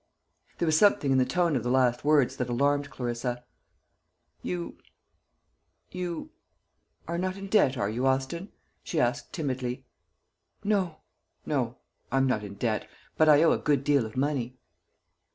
There was something in the tone of the last words that alarmed Clarissa. "You you are not in debt, are you, Austin?" she asked timidly. "No no I'm not in debt; but I owe a good deal of money."